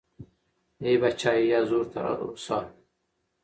ای بچای، یازور ته روڅه